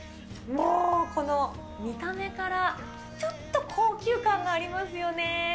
もうこの見た目から、ちょっと高級感がありますよね。